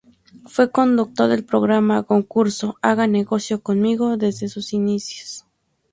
Fue conductor del programa concurso "Haga Negocio Conmigo", desde sus inicios.